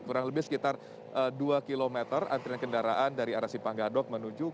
kurang lebih sekitar dua kilometer antrian kendaraan dari arah simpang gadok